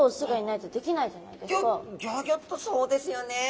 だってギョギョギョッとそうですよね。